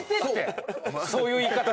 そういう言い方すんの。